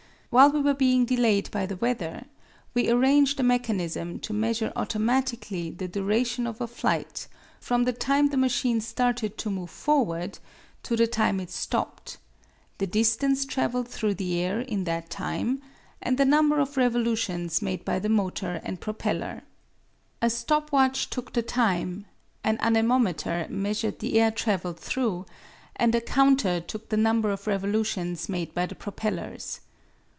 While we were being delayed by the weather we arranged a mechanism to measure automatically the duration of a flight from the time the machine started to move forward to the time it stopped, the distance traveled through the air in that time, and the number of revolutions made by the motor and propeller. A stop watch took the time; an anemometer measured the air traveled through; and a counter took the number of revolutions made by the propellers.